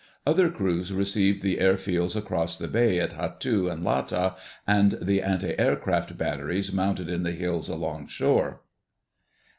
Other crews received the airfields across the bay at Hatu and Lata and the antiaircraft batteries mounted in the hills along shore.